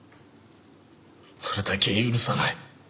それだけは許さない。